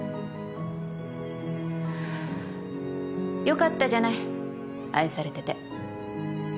よかったじゃない愛されてて。